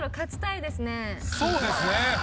そうですね。